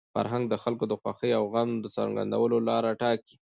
فرهنګ د خلکو د خوښۍ او غم د څرګندولو لاره ټاکي.